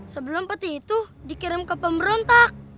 sebelum peti itu dikirim ke pemberontak